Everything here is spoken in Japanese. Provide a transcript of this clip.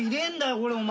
これお前。